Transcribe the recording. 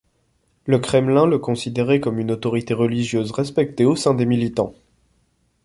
Le Kremlin le considérait comme une autorité religieuse respectée au sein des militants.